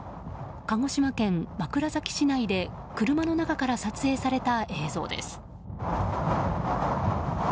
鹿児島県枕崎市内で車の中から撮影された映像です。